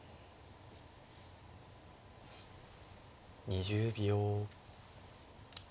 ２０秒。